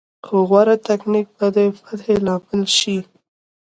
خو غوره تکتیک به د فتحې لامل شو.